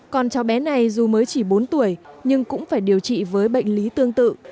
còn cháu bé này dù mới chỉ bốn tuổi nhưng cũng phải điều trị với bệnh lý tương tự